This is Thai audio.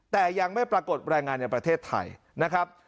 แต่ยังไม่ปรากฏแรงงานในประเทศไทยนะครับ